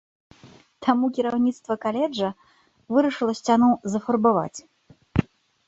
Таму кіраўніцтва каледжа вырашыла сцяну зафарбаваць.